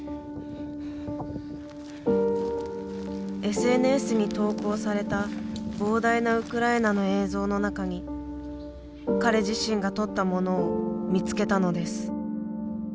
ＳＮＳに投稿された膨大なウクライナの映像の中に彼自身が撮ったものを見つけたのです。